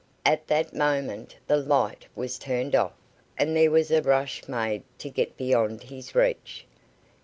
At that moment the light was turned off, and there was a rush made to get beyond his reach.